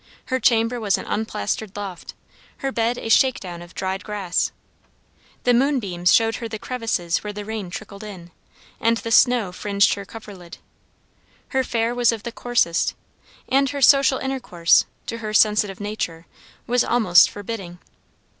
Her chamber was an unplastered loft; her bed a shakedown of dried grass. The moonbeams showed her the crevices where the rain trickled in, and the snow fringed her coverlid. Her fare was of the coarsest, and her social intercourse, to her sensitive nature, was almost forbidding.